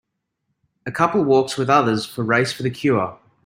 A couple walks with others for Race for the Cure.